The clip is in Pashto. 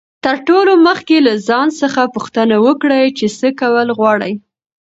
تر ټولو مخکي له ځان څخه پوښتنه وکړئ، چي څه کول غواړئ.